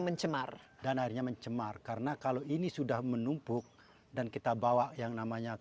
mencemar dan akhirnya mencemar karena kalau ini sudah menumpuk dan kita bawa yang namanya